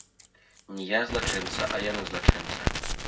Не я злачынца, а яны злачынцы.